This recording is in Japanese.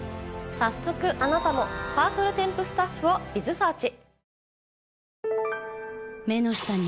早速あなたもパーソルテンプスタッフをｂｉｚｓｅａｒｃｈ。